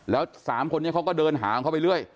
แล้ว๓คนนี้เขาก็เดินหาของเขาไปเรื่อย